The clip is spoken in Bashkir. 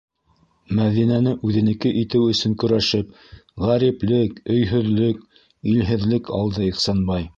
Мәҙинәне үҙенеке итеү өсөн көрәшеп ғәриплек, өйһөҙлөк, илһеҙлек алды Ихсанбай.